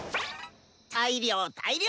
大量大量！